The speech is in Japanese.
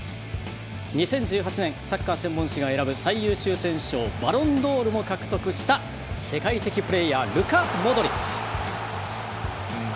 ２０１８年サッカー専門誌が選ぶ最優秀選手賞バロンドールも獲得した世界的プレーヤールカ・モドリッチ。